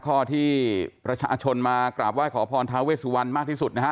ข้อที่ประชาชนมากราบไหว้ขอพรทาเวสุวรรณมากที่สุดนะฮะ